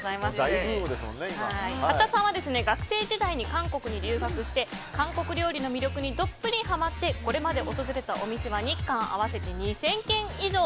八田さんは学生時代に韓国に留学して韓国料理の魅力にどっぷりハマってこれまで訪れたお店は日韓合わせて２０００軒以上。